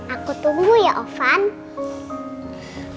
aku tunggu ya ovan